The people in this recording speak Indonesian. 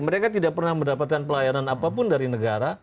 mereka tidak pernah mendapatkan pelayanan apapun dari negara